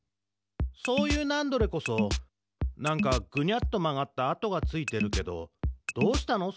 そういうナンドレこそなんかぐにゃっとまがった跡がついてるけどどうしたの？